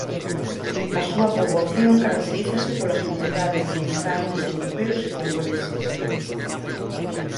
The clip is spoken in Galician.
A súa poboación caracterízase polas comunidades de inmigrantes europeos e congoleses.